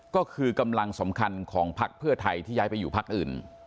ก็คือกำลังสำคัญของพักเพื่อไทยที่ย้ายไปอยู่พักอื่น